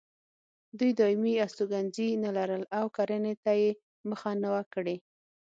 دوی دایمي استوګنځي نه لرل او کرنې ته یې مخه نه وه کړې.